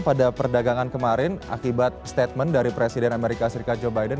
pada perdagangan kemarin akibat statement dari presiden amerika serikat joe biden